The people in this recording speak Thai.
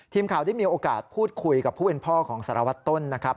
ทีมข่าวได้มีโอกาสพูดคุยกับผู้เป็นพ่อของสารวัตรต้นนะครับ